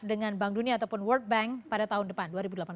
dengan bank dunia ataupun world bank pada tahun depan dua ribu delapan belas